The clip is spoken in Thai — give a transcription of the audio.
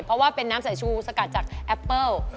เพราะว่าเป็นน้ำสายชูสกัดจากแอปเปิ้ล